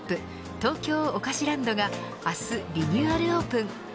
東京おかしランドが明日リニューアルオープン。